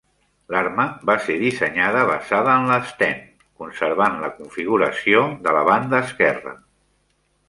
L'arma va ser dissenyada basada en la Sten, conservant la configuració de la banda esquerra.